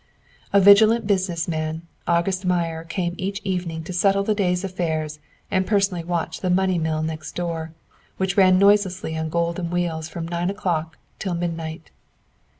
A vigilant business man, August Meyer came each evening to settle the days' affairs and personally watch the money mill next door, which ran noiselessly on golden wheels from nine o'clock till midnight.